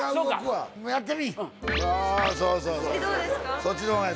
そっちの方がええ。